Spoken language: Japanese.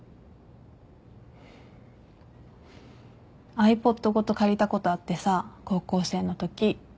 ｉＰｏｄごと借りたことあってさ高校生のとき。